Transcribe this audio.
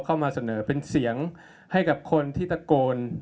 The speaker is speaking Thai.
เข้ามาเสนอเป็นเสียงให้กับคนที่ตะโกน